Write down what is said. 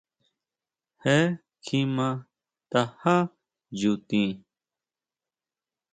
Je kjima tajá nyutin.